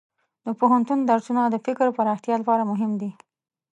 د پوهنتون درسونه د فکر پراختیا لپاره مهم دي.